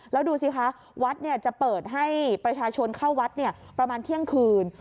แล้วดูสิคะวัดจะเปิดให้ประชาชนเข้าวัดประมาณเที่ยงคืน